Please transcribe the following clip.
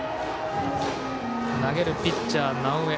投げるピッチャー、直江。